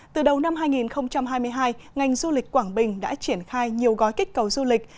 từ đầu năm hai nghìn hai mươi hai ngành du lịch quảng bình đã triển khai nhiều gói kích cầu du lịch